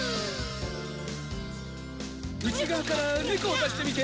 内側からネコを出してみて。